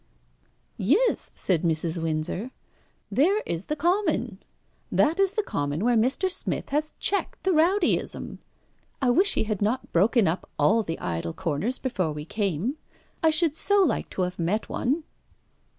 "Yes," said Mrs. Windsor; "there is the common that is the common where Mr. Smith has checked the rowdyism. I wish he had not broken up all the idle comers before we came. I should so like to have met one."